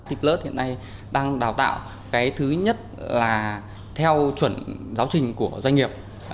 it plus hiện nay đang đào tạo cái thứ nhất là theo chuẩn giáo trình của doanh nghiệp